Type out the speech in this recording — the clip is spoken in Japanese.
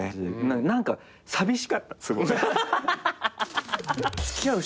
何か寂しかったすごく。